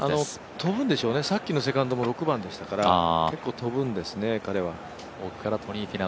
飛ぶんでしょうね、さっきのセカンドも６番でしたから結構、飛ぶんでしょうね、彼は。